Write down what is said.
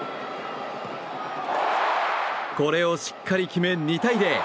これをしっかり決め２対０。